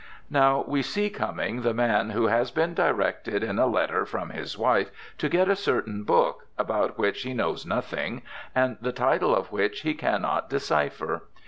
Now we see coming the man who has been directed in a letter from his wife to get a certain book, about which he knows nothing, and the title of which he can not decipher.